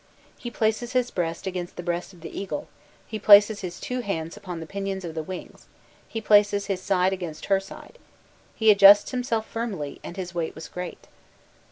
He places his breast against the breast of the eagle, he places his two hands upon the pinions of the wings, he places his side against her side; he adjusts himself firmly, and his weight was great."